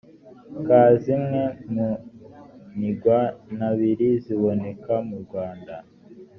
ka zimwe mu nigwahabiri ziboneka mu rwanda